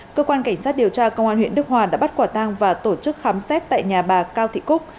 cơ quan cảnh sát điều tra công an huyện đức hòa đã bắt quả tang và tổ chức khám xét tại nhà bà cao thị cúc